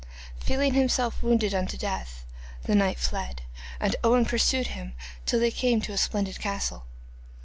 Feeling himself wounded unto death the knight fled, and Owen pursued him till they came to a splendid castle.